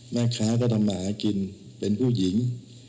แม่ค้าก็ทำมาหากินเป็นผู้หญิง